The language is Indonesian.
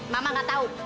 mama nggak tahu